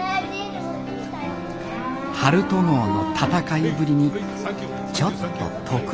陽翔号の戦いぶりにちょっと得意げな